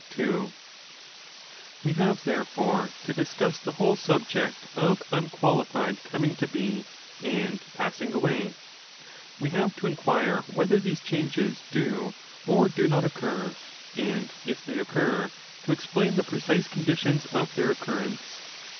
2 315° 2 We have therefore to discuss the whole subject of ' un qualified' coming to be and passing away; we have to inquire whether these changes do or do not occur and, if they occur, to explain the precise conditions of their occur rence.